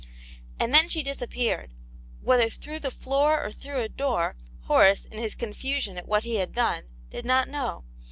And then she disappeared ; whether through the floor or through a door, Horace, in his confusion at I what he had done, did not know.